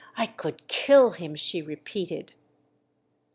*' I could kill him !" she repeated.